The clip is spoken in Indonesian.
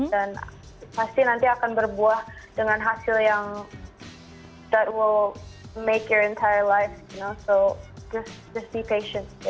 dan pasti nanti akan berbuah dengan hasil yang that will make your entire life you know so just be patient